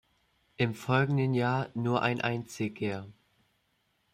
Im folgenden Jahr nur ein einziger.